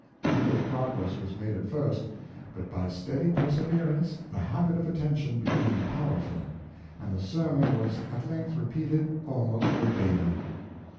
Little progress was made at first, but by steady perseverance the habit of attention became powerful, and the sermon was at length repeated almost verbatim.